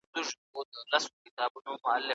هیچا هم پوره بې پرې قضاوت نه دی کړی.